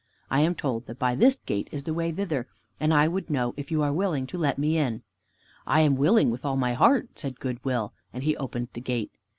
I am told that by this gate is the way thither, and I would know if you are willing to let me in." "I am willing with all my heart," said Good will, and he opened the gate.